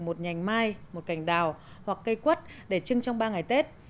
một nhành mai một cành đào hoặc cây quất để trưng trong ba ngày tết